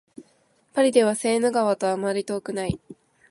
パリではセーヌ川とあまり遠くない